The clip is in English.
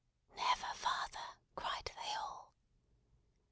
"Never, father!" cried they all.